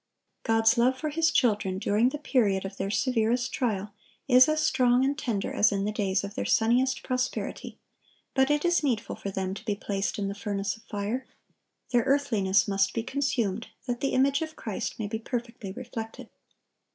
God's love for His children during the period of their severest trial, is as strong and tender as in the days of their sunniest prosperity; but it is needful for them to be placed in the furnace of fire; their earthliness must be consumed, that the image of Christ may be perfectly reflected.